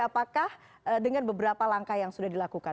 apakah dengan beberapa langkah yang sudah dilakukan